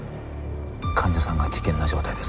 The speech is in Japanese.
患者さんが危険な状態です